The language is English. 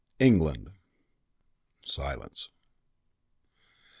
"England." Silence.